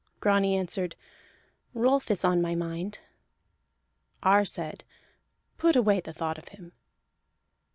Grani answered: "Rolf is on my mind." Ar said: "Put away the thought of him."